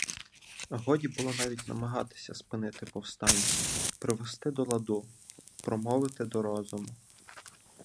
Годі було навіть намагатися спинити повстанців, привести до ладу, промовити до розуму.